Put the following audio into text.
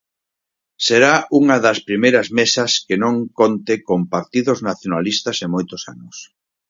Será unha das primeiras mesas que non conte con partidos nacionalistas en moitos anos.